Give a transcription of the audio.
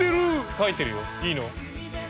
描いてるよいいの？